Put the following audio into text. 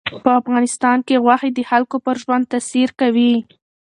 په افغانستان کې غوښې د خلکو پر ژوند تاثیر کوي.